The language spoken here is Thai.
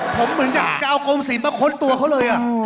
ผมเหมือนจะเอากลมสินมาค้นตัวเขาเลยอ่ะ